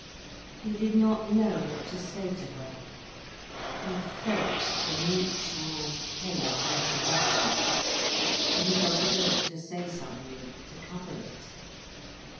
He did not know what to say to her. He felt the mutual hellish recognition. And he felt he ought to say something, to cover it.